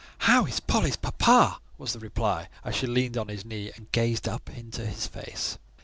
"How is Polly's papa?" was the reply, as she leaned on his knee, and gazed up into his face.